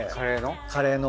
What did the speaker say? カレーの？